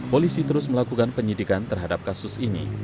polisi terus melakukan penyidikan terhadap kasus ini